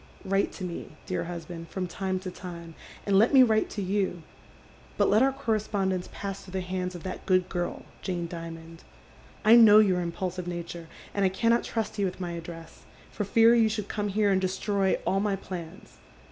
" Write to me, dear husband, from time to time, and let mo wiite to you, but let our conespoiulence pass through the hands of that good girl, Jane Dimond. I know j'our impuliiive nature, and I cannot trust you with my address, for fear you should come here and destroy all my plans.